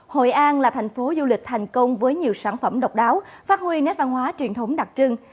hội an là thành phố du lịch thành công với nhiều sản phẩm độc đáo phát huy nét văn hóa truyền thống đặc trưng